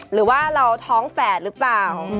หรือว่าเราท้องแฝดหรือเปล่า